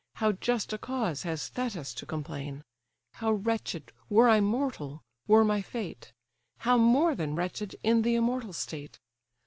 How just a cause has Thetis to complain! How wretched, were I mortal, were my fate! How more than wretched in the immortal state!